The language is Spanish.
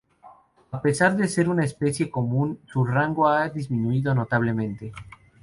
A pesar de ser una especie común su rango ha disminuido notablemente.